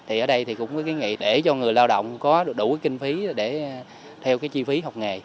thì ở đây thì cũng có cái nghề để cho người lao động có đủ cái kinh phí để theo cái chi phí học nghề